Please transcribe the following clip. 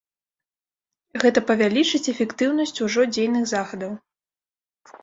Гэта павялічыць эфектыўнасць ужо дзейных захадаў.